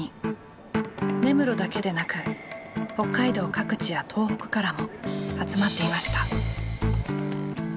根室だけでなく北海道各地や東北からも集まっていました。